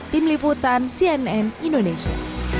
tim liputan cnn indonesia